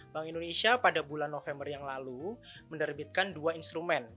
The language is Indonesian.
bank indonesia pada bulan november yang lalu menerbitkan dua instrumen